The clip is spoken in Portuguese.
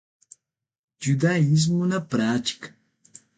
Judaísmo na prática